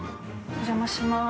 お邪魔します。